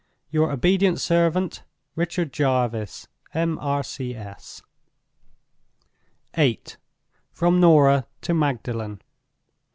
"Your obedient servant, "RICHARD JARVIS, M.R.C.S." VIII. From Norah to Magdalen.